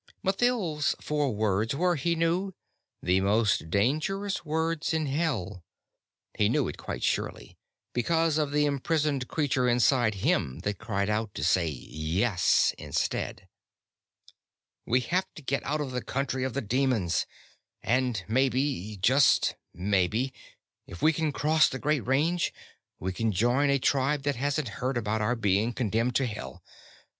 Mathild's four words were, he knew, the most dangerous words in Hell he knew it quite surely, because of the imprisoned creature inside him that cried out to say "Yes" instead. "We have to get out of the country of the demons. And maybe just maybe if we can cross the Great Range, we can join a tribe that hasn't heard about our being condemned to Hell.